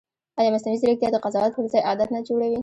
ایا مصنوعي ځیرکتیا د قضاوت پر ځای عادت نه جوړوي؟